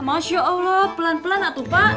masya allah pelan pelan atau pak